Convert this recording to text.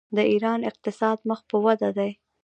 د ایران اقتصاد مخ په وده دی.